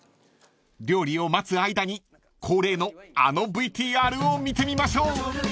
［料理を待つ間に恒例のあのＶＴＲを見てみましょう］